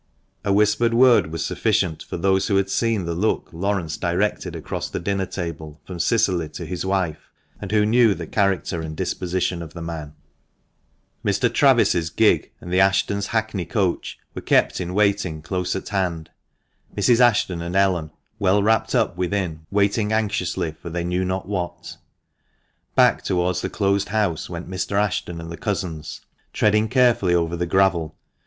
A whispered word was sufficient for those who had seen the look Laurence directed across the dinner table from Cicily to his wife, and who knew the character and disposition of the man, THE MANCHESTER MAN. 435 Mr. Travis's gig and the Ashton's hackney coach were kept in waiting close at hand, Mrs. Ashton and Ellen, well wrapped up within, waiting anxiously for they knew not what. Back towards the closed house went Mr. Ashton and the cousins, treading carefully over the gravel.